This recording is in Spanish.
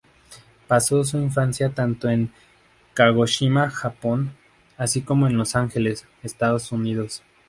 Pasó su infancia tanto en Kagoshima, Japón; así como en Los Ángeles, Estados Unidos.